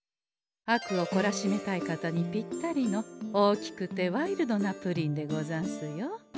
悪をこらしめたい方にぴったりの大きくてワイルドなプリンでござんすよ。